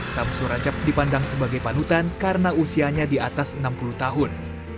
samsuracap dipandang sebagai panutan karena usianya di atas enam puluh tahun